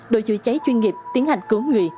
đội chữa cháy chuyên nghiệp tiến hành cứu người